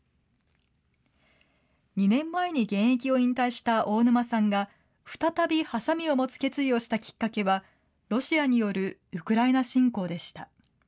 ２年前に現役を引退した大沼さんが再びはさみを持つ決意をしたきっかけは、ロシアによるウクライナ侵攻でした。